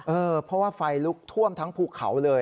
เพราะว่าไฟลุกท่วมทั้งภูเขาเลย